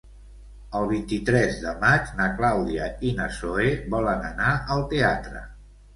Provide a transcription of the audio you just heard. El vint-i-tres de maig na Clàudia i na Zoè volen anar al teatre.